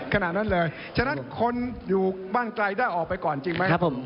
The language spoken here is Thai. ขนาดนั้นเลยฉะนั้นคนอยู่บ้านไกลได้ออกไปก่อนจริงไหม